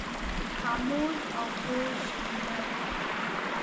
خاموش او خوږ ږغ